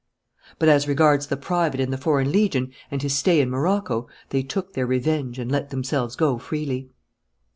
But, as regards the private in the Foreign Legion and his stay in Morocco, they took their revenge and let themselves go freely.